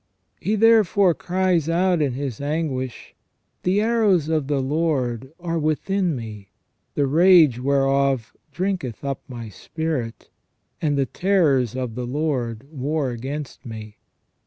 He therefore cries out, in his anguish: "The arrows of the Lord are within me, the rage whereof drinketh up my spirit, and the terrors of the Lord war against me